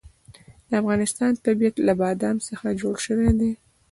د افغانستان طبیعت له بادام څخه جوړ شوی دی.